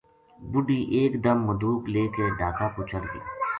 بڈھی ایک دم مدوک لے کے ڈھاکا پو چڑھ گئی